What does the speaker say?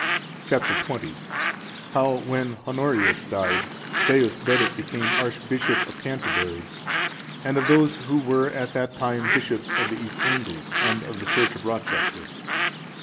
Chap. XX. How, when Honorius died, Deusdedit became Archbishop of Canterbury; and of those who were at that time bishops of the East Angles, and of the church of Rochester.